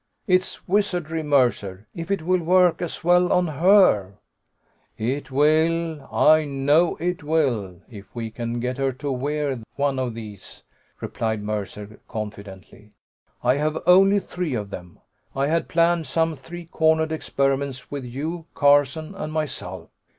"It's wizardry, Mercer! If it will work as well on her...." "It will, I know it will! if we can get her to wear one of these," replied Mercer confidently. "I have only three of them; I had planned some three cornered experiments with you, Carson, and myself.